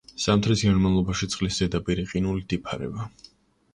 ზამთრის განმავლობაში წყლის ზედაპირი ყინულით იფარება.